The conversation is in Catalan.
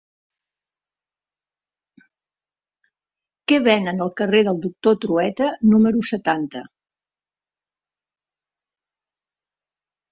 Què venen al carrer del Doctor Trueta número setanta?